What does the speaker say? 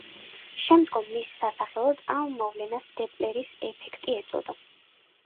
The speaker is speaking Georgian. შემდგომ მის სასახელოდ ამ მოვლენას დოპლერის ეფექტი ეწოდა.